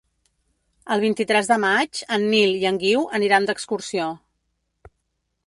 El vint-i-tres de maig en Nil i en Guiu aniran d'excursió.